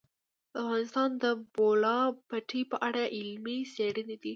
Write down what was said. افغانستان د د بولان پټي په اړه علمي څېړنې لري.